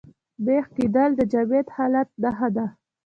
مېخ کېدل د جامد حالت نخښه ده.